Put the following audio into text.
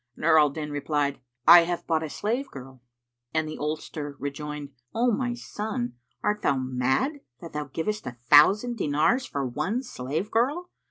Nur al Din replied, "I have bought a slave girl;" and the oldster rejoined, "O my son, art thou mad that thou givest a thousand dinars for one slave girl?